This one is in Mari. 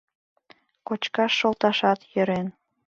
Кочкаш шолташат йӧрен.